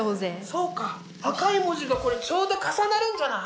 そうか赤い文字がこれちょうど重なるんじゃない？